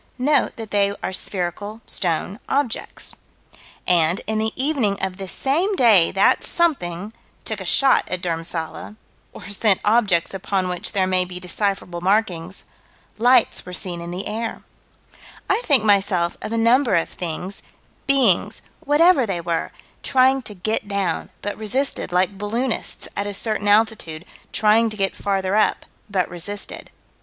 Note that they are spherical stone objects. And, in the evening of this same day that something took a shot at Dhurmsalla or sent objects upon which there may be decipherable markings lights were seen in the air I think, myself, of a number of things, beings, whatever they were, trying to get down, but resisted, like balloonists, at a certain altitude, trying to get farther up, but resisted.